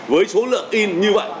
với số lượng y như vậy